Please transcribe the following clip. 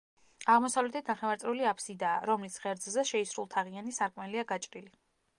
აღმოსავლეთით ნახევარწრიული აფსიდაა, რომლის ღერძზე შეისრულთაღიანი სარკმელია გაჭრილი.